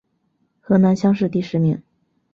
河南乡试第十名。